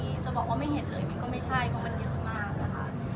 จะบอกว่าไม่เห็นเลยมันก็ไม่ใช่เพราะมันเยอะมากนะคะ